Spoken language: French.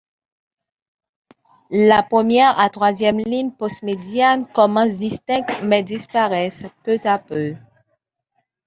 La première à troisième lignes postmédiane commencent distinctes mais disparaissent peu à peu.